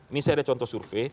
ini saya ada contoh survei